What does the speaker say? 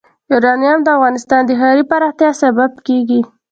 یورانیم د افغانستان د ښاري پراختیا سبب کېږي.